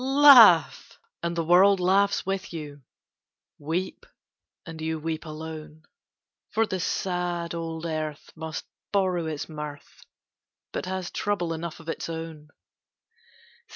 Laugh, and the world laughs with you; Weep, and you weep alone; For the sad old earth must borrow its mirth, But has trouble enough of its own.